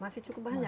masih cukup banyak